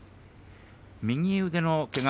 右腕のけが